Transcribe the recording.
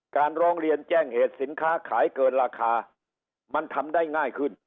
ร้องเรียนแจ้งเหตุสินค้าขายเกินราคามันทำได้ง่ายขึ้น